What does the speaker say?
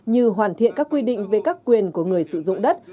như hoàn thiện các quy định về các quyền của người sử dụng đất